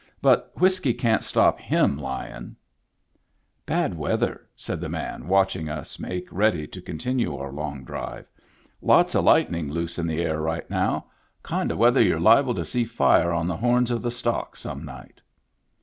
But whiskey can't stop him lying." " Bad weather," said the man, watching us make ready to continue our long drive. " Lots o' lightning loose in the air right now. Kind o* Digitized by Google TIMBERLINE 131 weather you're liable to see fire on the horns of the stock some night."